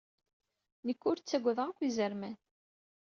Nekk ur ttagadeɣ akk izerman.